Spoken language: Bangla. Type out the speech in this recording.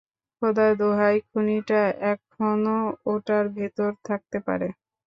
খোদার দোহাই, খুনিটা এখনো ওটার ভেতরে থাকতে পারে।